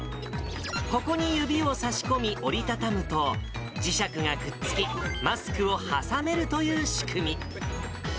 ここに指を差し込み、折り畳むと、磁石がくっつき、マスクを挟めるという仕組み。